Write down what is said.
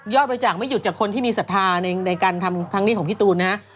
บริจาคไม่หยุดจากคนที่มีศรัทธาในการทำครั้งนี้ของพี่ตูนนะฮะ